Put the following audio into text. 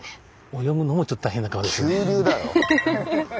泳ぐのもちょっと大変な川ですよね。